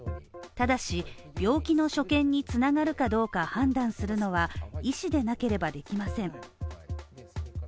ただし、病気の所見に繋がるかどうか判断するのは医師でなければできません。